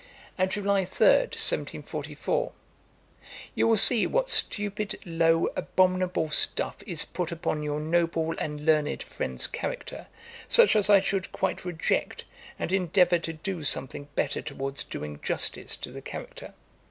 And July 3, 1744. 'You will see what stupid, low, abominable stuff is put upon your noble and learned friend's character, such as I should quite reject, and endeavour to do something better towards doing justice to the character.